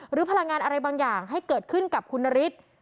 พลังงานอะไรบางอย่างให้เกิดขึ้นกับคุณนฤทธิ์